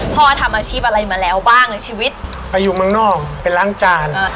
ทำอาชีพอะไรมาแล้วบ้างในชีวิตไปอยู่เมืองนอกไปล้างจานอ่า